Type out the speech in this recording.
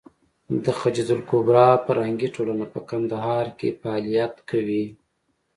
د خدېجه الکبرا فرهنګي ټولنه په کندهار کې فعالیت کوي.